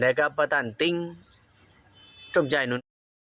แต่แกประตานติ้งสมใจหน่วย